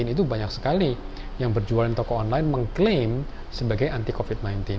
itu banyak sekali yang berjualan toko online mengklaim sebagai anti covid sembilan belas